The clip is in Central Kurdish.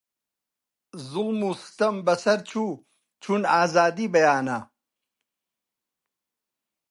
زوڵم و ستەم بە سەر چۆ چوون ئازادی بەیانە